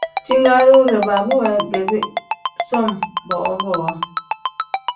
Jingaari wire baaba weegedi som bowa bowa.